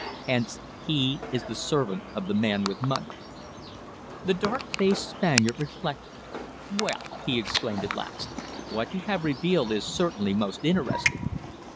Hence he is the servant of the man with money." The dark faced Spaniard reflected. "Well," he exclaimed at last. "What you have revealed is certainly most interesting."